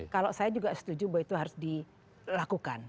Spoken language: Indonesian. kalau saya juga setuju bahwa itu harus dilakukan